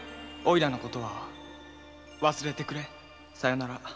おいらのことはわすれてくれさようなら」